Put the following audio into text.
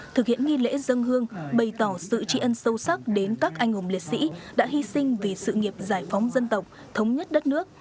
thực hiện nghi lễ dân hương bày tỏ sự tri ân sâu sắc đến các anh hùng liệt sĩ đã hy sinh vì sự nghiệp giải phóng dân tộc thống nhất đất nước